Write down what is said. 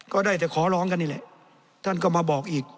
ก็ได้แต่ขอร้องกันอีกเลย